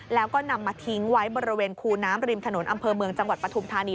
แล้วก็นำมาทิ้งไว้บริเวณคูน้ำริมถนนอำเภอเมืองจังหวัดปฐุมธานี